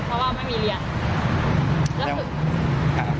เพราะว่าไม่มีเรียน